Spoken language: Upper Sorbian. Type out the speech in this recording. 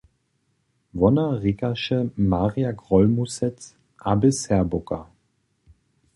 Wona rěkaše Marja Grólmusec a bě Serbowka.